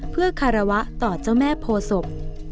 เพื่อคารวะต่อเจ้าแม่โพศพ